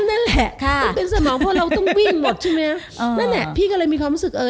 นั่นแหละค่ะเป็นสมองเพราะเราต้องวิ่งหมดใช่ไหมนั่นแหละพี่ก็เลยมีความรู้สึกเออ